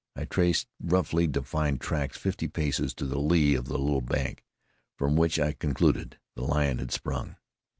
I traced roughly defined tracks fifty paces to the lee of a little bank, from which I concluded the lion had sprung.